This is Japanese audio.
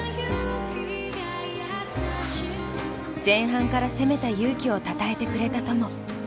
前半から攻めた勇気をたたえてくれた友。